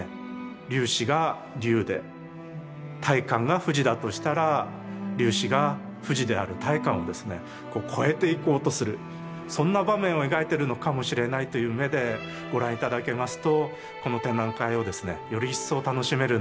龍子が龍で大観が富士だとしたら龍子が富士である大観をですね超えていこうとするそんな場面を描いてるのかもしれないという目でご覧頂けますとこの展覧会をですねより一層楽しめるんではないかと思います。